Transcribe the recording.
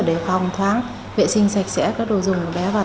để phòng thoáng vệ sinh sạch sẽ các đồ dùng của bé và